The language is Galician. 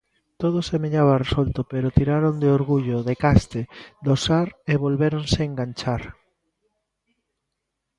Todo semellaba resolto pero tiraron de orgullo, de caste, do Sar e volvéronse enganchar.